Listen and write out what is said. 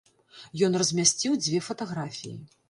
Ён размясціў дзве фатаграфіі.